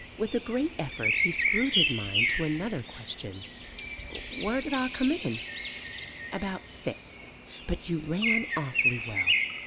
With a great effort he screwed his mind to another question. "Wheer did A' coom in?" "About sixth, but you ran awfully well."